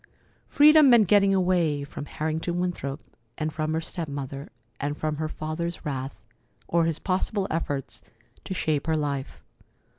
Freedom meant getting away from Harrington Winthrop and from her step mother, and from her father's wrath, or his possible efforts to shape her life.